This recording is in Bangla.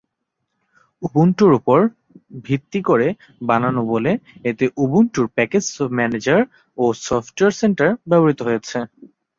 উবুন্টুর উপর ভিত্তি করে বানানো বলে এতে উবুন্টুর প্যাকেজ ম্যানেজার ও সফটওয়্যার সেন্টার ব্যবহৃত হয়েছে।